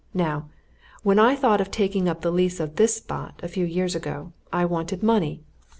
Now, when I thought of taking up the lease of this spot, a few years ago, I wanted money.